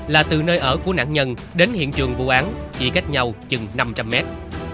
là từ nơi ở của nạn nhân đến hiện trường vụ án chỉ cách nhau chừng năm trăm linh mét